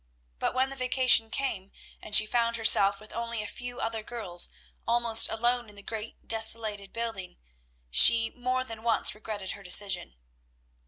But when the vacation came, and she found herself with only a few other girls almost alone in the great desolated building, she more than once regretted her decision.